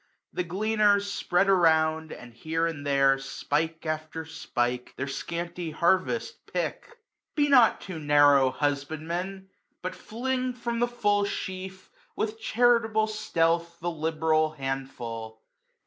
The gleaners spread around, and here and there, 165 Spike after spike, their scanty harvest pick. ttS AUTUMN. .Be not too narrow^ husbandmen ; but fling From the full sheaf, with charitable stealth. The lib'ral handful.